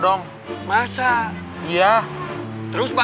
yang layak baik baik saja